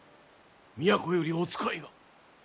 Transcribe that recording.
都よりお使いが。